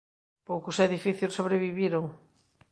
Poucos edificios sobreviviron.